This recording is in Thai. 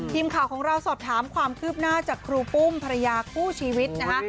ทีมข่าวของเราสอบถามความคืบหน้าจากครูปุ้มภรรยาคู่ชีวิตนะคะ